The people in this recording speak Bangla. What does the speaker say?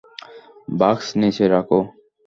বাক্স নিচে রাখো।